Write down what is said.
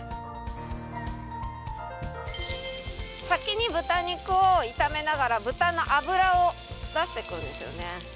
先に豚肉を炒めながら豚の脂を出していくんですよね。